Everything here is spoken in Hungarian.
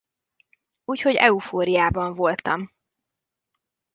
Úgyhogy eufóriában voltam.